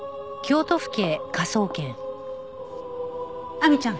亜美ちゃん